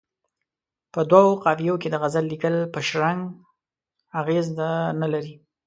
په دوو قافیو کې د غزل لیکل پر شرنګ اغېز نه لري.